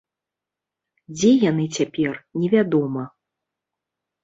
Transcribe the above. Дзе яны цяпер, невядома.